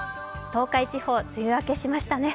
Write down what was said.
東海地方、梅雨明けしましたね。